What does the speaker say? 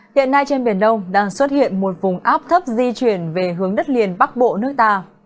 hiện nay trên biển đông đang xuất hiện một vùng áp thấp di chuyển về hướng đất liền bắc bộ nước ta